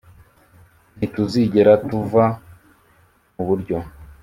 ntituzigera tuva muburyo.